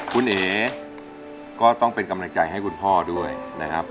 คุณเอ๋ก็ต้องเป็นกำลังใจให้คุณพ่อด้วยนะครับ